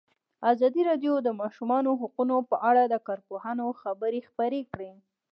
ازادي راډیو د د ماشومانو حقونه په اړه د کارپوهانو خبرې خپرې کړي.